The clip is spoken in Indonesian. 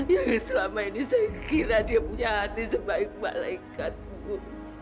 yang selama ini saya kira dia punya hati sebaik balaikatmu